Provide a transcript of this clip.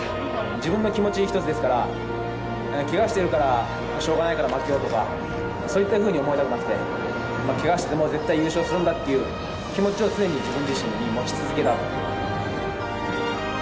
自分の気持ち一つですから、けがをしているから、しょうがないから、負けようとか、そういったふうに思うのではなくて、けがをしてても絶対優勝するんだっていう、気持ちを常に自分自身に持ち続けた。